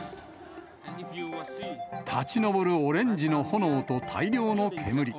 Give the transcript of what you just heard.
立ち上るオレンジの炎と大量の煙。